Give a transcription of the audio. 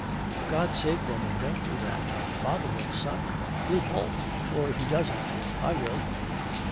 'For God's sake, woman, don't do that! Father and son! He'll bolt; or if he doesn't, I will.'